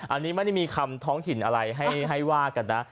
อันนี้ไม่ได้มีคำท้องถิ่นอะไรให้ว่ากันนะ